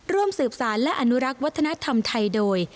ร่วมสืบสารและอนุรักษ์วัฒนธรรมไทยโดย